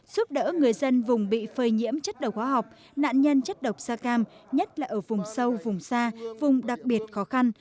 giúp đỡ người dân vùng bị phơi nhiễm chất đầu khóa học nạn nhân chất độc da cam nhất là ở vùng sâu vùng xa vùng đặc biệt khó khăn